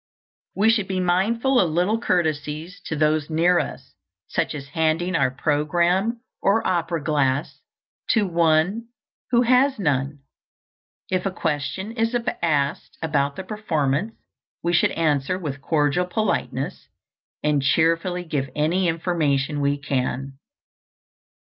We should be mindful of little courtesies to those near us, such as handing our programme or opera glass to one who has none. If a question is asked about the performance, we should answer with cordial politeness and cheerfully give any information we can.